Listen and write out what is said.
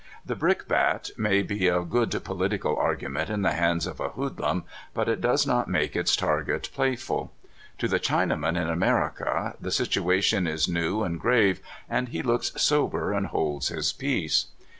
The brick bat may be a good political argument in the hands of a hoodlum, but it does not make its target play ful. To the Chinaman in America the situation is new and grave, and he looks sober and holds his peace.